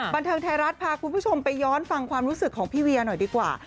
บันเทิงไทยรัฐพาคุณผู้ชมไปย้อนฟังความรู้สึกของพี่เวียหน่อยดีกว่า